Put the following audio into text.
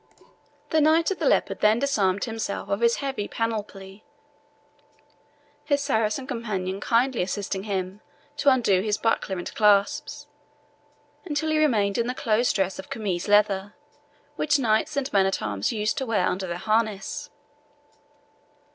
The Knight of the Leopard then disarmed himself of his heavy panoply, his Saracen companion kindly assisting him to undo his buckler and clasps, until he remained in the close dress of chamois leather, which knights and men at arms used to wear under their harness.